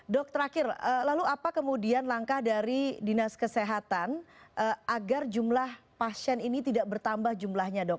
dok terakhir lalu apa kemudian langkah dari dinas kesehatan agar jumlah pasien ini tidak bertambah jumlahnya dok